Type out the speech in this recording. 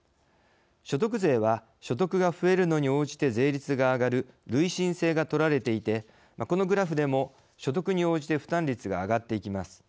所得税は所得が増えるのに応じて税率が上がる累進性が取られていてこのグラフでも所得に応じて負担率が上がっていきます。